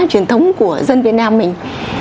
truyền thống của dân việt nam mình